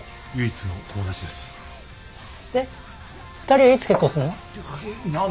２人はいつ結婚すんの？